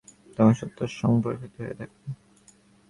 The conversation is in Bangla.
পরিশেষে মনের যেন মৃত্যু হয়, তখন সত্য স্বয়ং প্রকাশিত হইয়া থাকে।